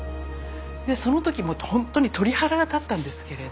でその時もうほんとに鳥肌が立ったんですけれど。